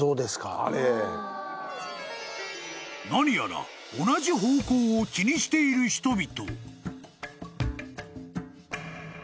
［何やら同じ方向を気にしている人々］